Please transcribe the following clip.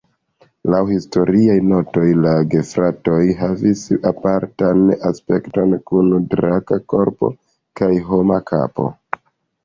Laŭ historiaj notoj la gefratoj havis apartan aspekton kun draka korpo kaj homa kapo.